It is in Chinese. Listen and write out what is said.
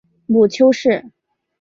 母丘氏。